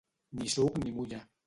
Ni suc ni mulla.